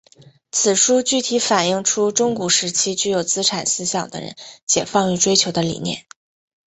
此书具体反映出中古时期具有资产思想的人解放与追求的理念。